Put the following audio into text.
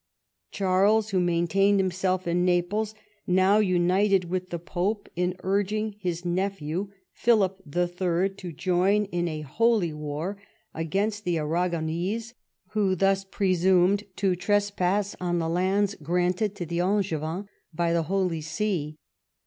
Charles, who maintained him self in Naples, now united with the j)ope in urging his nephew, Philip III., to join in a holy war against the Aragonese, who thus presumed to trespass on the lands granted to the Angevin by the Holy See.